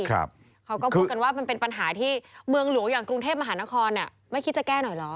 เขาก็พูดกันว่ามันเป็นปัญหาที่เมืองหลวงอย่างกรุงเทพมหานครไม่คิดจะแก้หน่อยเหรอ